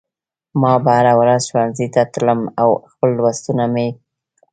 ما به هره ورځ ښوونځي ته تلم او خپل لوستونه به مې کول